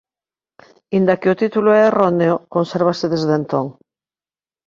Inda que o título é erróneo consérvase desde entón.